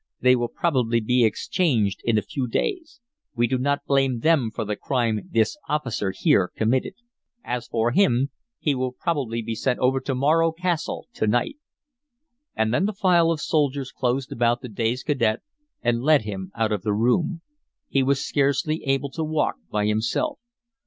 They will probably be exchanged in a few days. We do not blame them for the crime this officer here committed. As for him, he will probably be sent over to Morro Castle to night." And then the file of soldiers closed about the dazed cadet and led him out of the room. He was scarcely able to walk by himself.